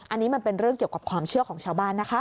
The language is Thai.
อันนี้มันเป็นเรื่องเกี่ยวกับความเชื่อของชาวบ้านนะคะ